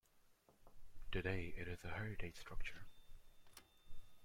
Today it is a heritage structure.